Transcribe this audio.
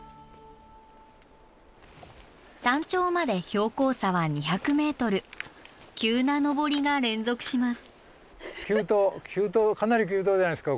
山頂まで標高差は２００ｍ急な登りが連続します。